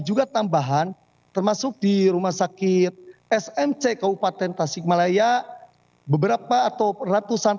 juga tambahan termasuk di rumah sakit smc kabupaten tasikmalaya beberapa atau ratusan